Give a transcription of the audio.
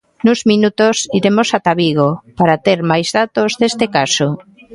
Nuns minutos iremos ata Vigo para ter máis datos deste caso.